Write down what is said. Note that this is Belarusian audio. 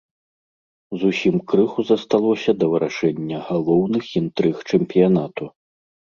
Зусім крыху засталося да вырашэння галоўных інтрыг чэмпіянату.